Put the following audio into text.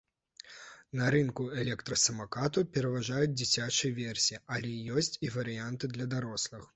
На рынку электрасамакатаў пераважаюць дзіцячыя версіі, але ёсць і варыянты для дарослых.